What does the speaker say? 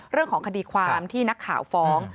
เรื่องของคดีความที่นักข่าวฟ้อง